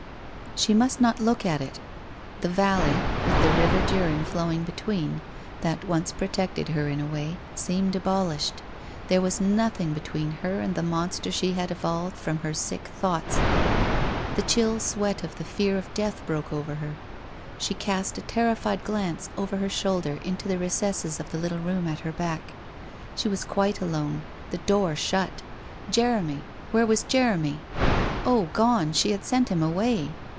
... She must not look at it. The valley, with the river Duren flowing between, that once protected her in a way, seemed abolished. There was nothing between her and the monster she had evolved from her sick thoughts. ... The chill sweat of the fear of death broke over her. She cast a terrified glance over her shoulder into the recesses WHITE ROSE OF WEARY LEAF 291 of the little room at her back. She was quite alone, the door shut ! Jeremy ! "Where was Jeremy ?... Oh gone, she had sent him away